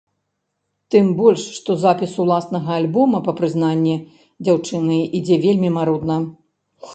Тым больш, што запіс уласнага альбома, па прызнанні дзяўчыны, ідзе вельмі марудна.